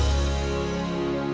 masih ada jalan ke amerika